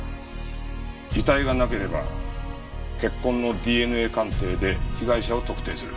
遺体がなければ血痕のＤＮＡ鑑定で被害者を特定する。